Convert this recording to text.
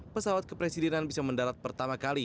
pesawat kepresidenan bisa mendarat pertama kali